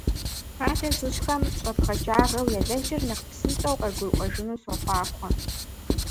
Фадэ зыщӀхэм щӀэпхъаджагъэу ялэжьыр нэхъ псынщӀэу къагурыӀуэжыну сохъуахъуэ!